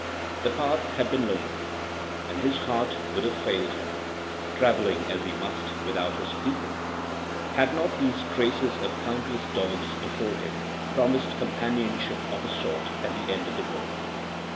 The path had been lonely, and his heart would have failed him, traveling as he must without his people, had not these traces of countless dogs before him promised companionship of a sort at the end of the road.